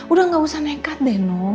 udah gak usah nekat deh no